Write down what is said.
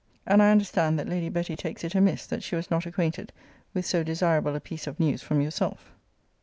And I understand, that Lady Betty takes it amiss that she was not acquainted with so desirable a piece of news from yourself.